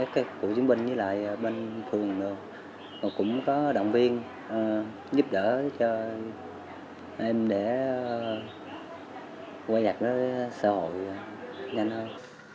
các cựu chiến binh với lại bên phường cũng có động viên giúp đỡ cho em để quay gặp với xã hội nhanh hơn